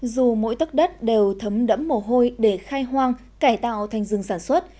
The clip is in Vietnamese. dù mỗi tấc đất đều thấm đẫm mồ hôi để khai hoang cải tạo thành rừng sản xuất